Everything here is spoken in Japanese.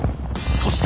そして。